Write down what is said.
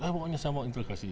pokoknya saya mau interogasi